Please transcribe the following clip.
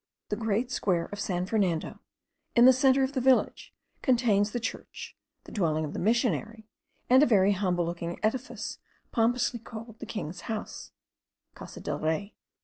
The great square of San Fernando, in the centre of the village, contains the church, the dwelling of the missionary, and a very humble looking edifice pompously called the king's house (Casa del Rey).